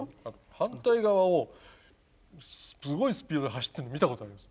反対側をすごいスピードで走ってるのを見たことあります